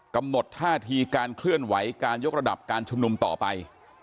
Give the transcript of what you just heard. กำหนดท่าทีการเคลื่อนไหวการยกระดับการชุมนุมต่อไป